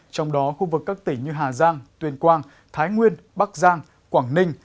trong đó khu vực các tỉnh như hà giang tuyên quang thái nguyên bắc giang quảng ninh